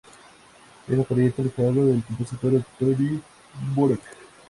Era pariente lejano del compositor Antonin Dvorak.